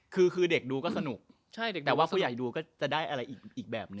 คือเด็กดูก็สนุกแต่ว่าผู้ใหญ่ดูก็จะได้อะไรอีกแบบหนึ่ง